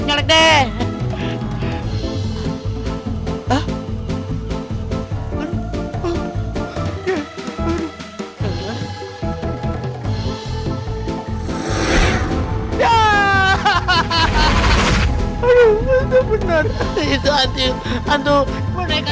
mereka yang ada hantunya